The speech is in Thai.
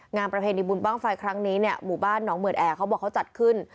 ประเพณีบุญบ้างไฟครั้งนี้เนี่ยหมู่บ้านน้องเหมือนแอร์เขาบอกเขาจัดขึ้น